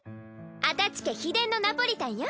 安立家秘伝のナポリタンよ。